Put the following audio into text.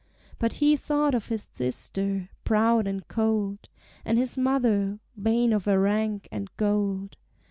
But he thought of his sister, proud and cold, And his mother, vain of her rank and gold.